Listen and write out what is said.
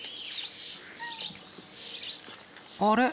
あれ？